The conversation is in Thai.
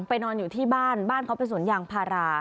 นอนอยู่ที่บ้านบ้านเขาเป็นสวนยางพารา